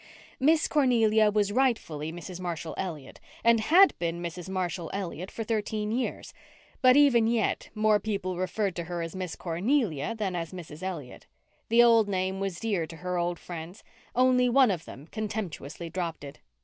Miss Cornelia was rightfully Mrs. Marshall Elliott, and had been Mrs. Marshall Elliott for thirteen years, but even yet more people referred to her as Miss Cornelia than as Mrs. Elliott. The old name was dear to her old friends, only one of them contemptuously dropped it.